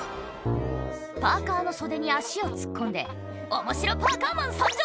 パーカの袖に足を突っ込んで「面白パーカマン参上！」